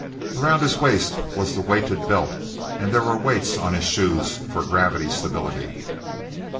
Around his waist was the weighted belt, and there were weights on his shoes for gravity stability.